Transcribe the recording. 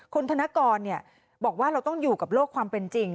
คุณธนกรบอกว่าเราต้องอยู่กับโลกความเป็นจริง